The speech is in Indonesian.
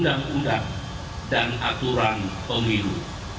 undang undang dan aturan pemilu